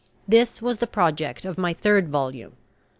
This was the project of my third volume.